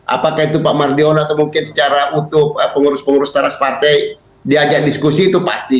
apakah itu pak mardiono atau mungkin secara utuh pengurus pengurus teras partai diajak diskusi itu pasti